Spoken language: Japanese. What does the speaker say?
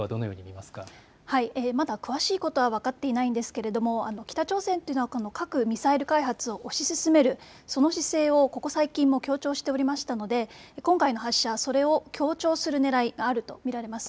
まだ詳しいことは分かっていないんですが北朝鮮というのは核・ミサイル開発を推し進める、その姿勢はここ最近も強調しておりましたので今回の発射、それを強調するねらいがあると見られます。